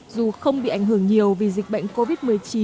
dù không bị ảnh hưởng nhiều vì dịch bệnh covid một mươi chín